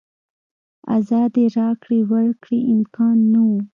ازادې راکړې ورکړې امکان نه و.